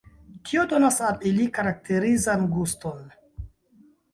Tio donas al ili karakterizan guston.